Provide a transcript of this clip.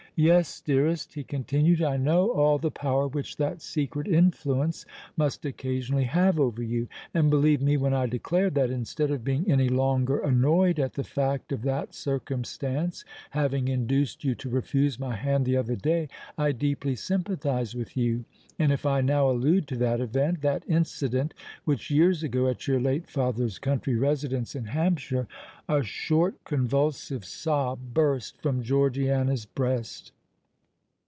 "Yes, dearest," he continued: "I know all the power which that secret influence must occasionally have over you: and, believe me when I declare that—instead of being any longer annoyed at the fact of that circumstance having induced you to refuse my hand the other day—I deeply sympathise with you! And if I now allude to that event—that incident which years ago, at your late father's country residence in Hampshire——" A short convulsive sob burst from Georgiana's breast.